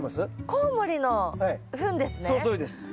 コウモリのフンですね？